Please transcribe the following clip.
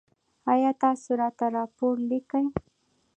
ایا تاسو راته راپور لیکئ؟